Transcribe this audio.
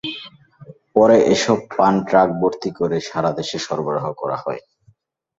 পরে এসব পান ট্রাক ভর্তি করে সারা দেশে সরবরাহ করা হয়।